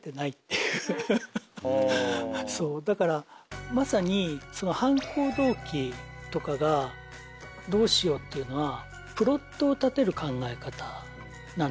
だからまさに犯行動機とかどうしようっていうのはプロットを立てる考え方なんですよ。